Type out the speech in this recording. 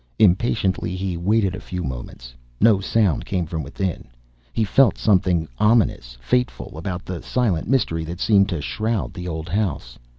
Impatiently, he waited a few moments. No sound came from within. He felt something ominous, fateful, about the silent mystery that seemed to shroud the old house.